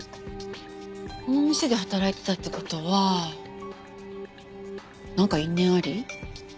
この店で働いてたって事はなんか因縁あり？